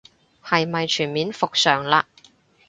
係咪全面復常嘞